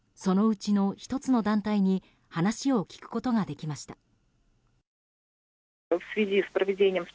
そのうちの１つの団体に話を聞くことができました。